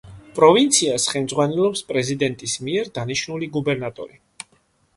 პროვინციას ხელმძღვანელობს პრეზიდენტის მიერ დანიშნული გუბერნატორი.